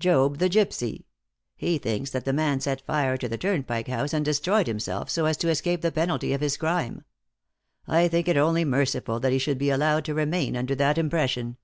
"Job, the gypsy. He thinks that the man set fire to the Turnpike House and destroyed himself, so as to escape the penalty of his crime. I think it only merciful that he should be allowed to remain under that impression."